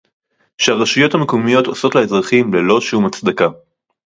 שהרשויות המקומיות עושות לאזרחים ללא שום הצדקה